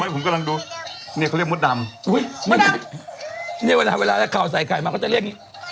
ผมกำลังดูเนี้ยเขาเรียกมดดำอุ้ยมดดำเนี้ยเวลาเวลาแล้วเขาใส่ไข่มาเขาจะเรียก